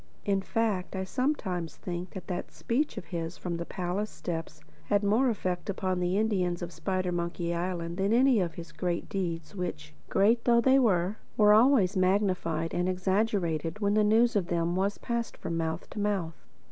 In fact I sometimes think that that speech of his from the palace steps had more effect upon the Indians of Spidermonkey Island than had any of his great deeds which, great though they were, were always magnified and exaggerated when the news of them was passed from mouth to mouth.